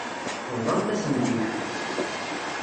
Bḍant-asen-t-id.